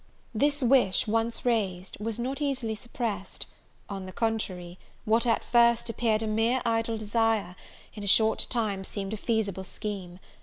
This wish once raised was not easily suppressed; on the contrary, what at first appeared a mere idle desire, in a short time seemed a feasible scheme.